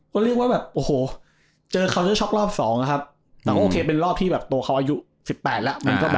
ก็เรียกว่าแบบโอ้โหเจอเขาจะช็อกรอบสองนะครับแต่ก็โอเคเป็นรอบที่แบบตัวเขาอายุ๑๘แล้ว